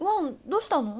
どうしたの？